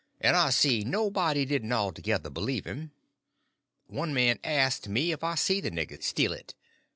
and I see nobody didn't altogether believe him. One man asked me if I see the niggers steal it.